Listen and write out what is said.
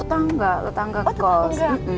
tetangga tetangga kos